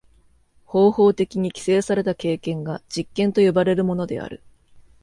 方法的に規制された経験が実験と呼ばれるものである。